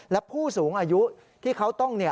และผู้สูงอายุที่เขาต้อง